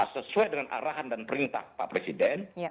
sesuai dengan arahan dan perintah pak presiden